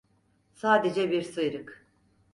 Sadece bir sıyrık.